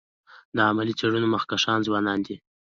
د علمي څيړنو مخکښان ځوانان دي.